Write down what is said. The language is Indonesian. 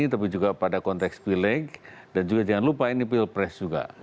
tapi juga pada konteks pileg dan juga jangan lupa ini pilpres juga